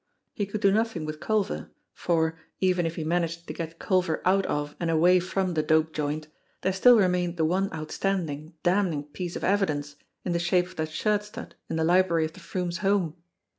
He could do nothing with Culver ; for, even if he managed to get Culver out of and away from the dope joint, there still remained the one outstanding, damning piece of evidence in the shape of that shirt stud in the library of the Froomes' home.